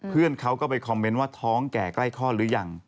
เพื่อนเขาก็ไปคอมเมนต์ว่าท้องแก่ใกล้คลอดหรือยัง